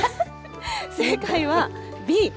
正解はｂ。